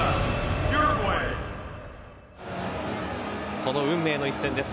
その運命の一戦です。